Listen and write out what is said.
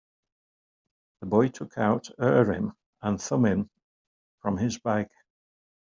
The boy took out Urim and Thummim from his bag.